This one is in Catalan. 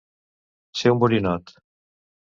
Ser un borinot.